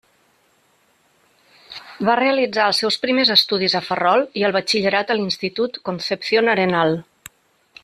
Va realitzar els seus primers estudis a Ferrol i el batxillerat a l'institut Concepción Arenal.